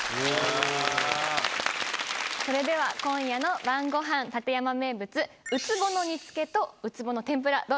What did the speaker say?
それでは、今夜の晩ごはん、館山名物、ウツボの煮つけと、ウツボの天ぷら。